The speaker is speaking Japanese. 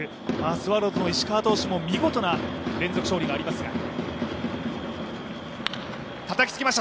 スワローズの石川投手も見事な連続勝利がありますが。